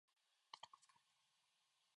とても疲れている。